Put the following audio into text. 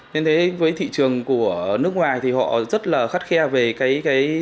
nên thế với thị trường của nước ngoài thì họ rất là khắt khe về cái